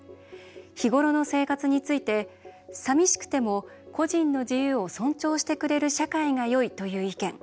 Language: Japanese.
日ごろの生活について「さみしくても個人の自由を尊重してくれる社会がよい」という意見。